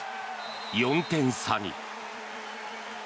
４点差に。